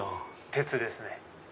鉄ですね。